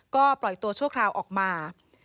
ก็ปล่อยตัวชั่วคราวออกมา